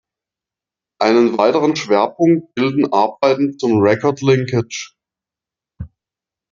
Einen weiteren Schwerpunkt bilden Arbeiten zum Record-Linkage.